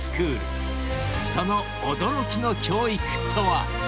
［その驚きの教育とは？］